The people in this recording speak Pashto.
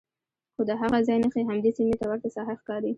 خو د هغه ځای نښې همدې سیمې ته ورته ساحه ښکاري.